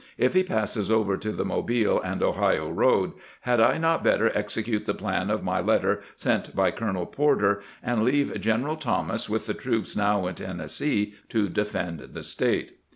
If he passes over to the Mobile and Ohio road, had I not better execute the plan of my letter sent by Colonel Porter, and leave General Thomas with the troops now in Tennessee to defend the State?"